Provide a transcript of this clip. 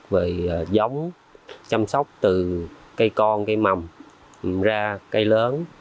về giống chăm sóc từ cây con cây mầm ra cây lớn